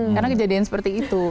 karena kejadian seperti itu